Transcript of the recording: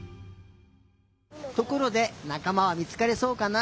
ところでなかまはみつかりそうかな？